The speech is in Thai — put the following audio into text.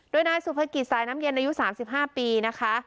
โดยนายสุภกิจสายน้ำเย็นอายุ๓๕ปีนะคะ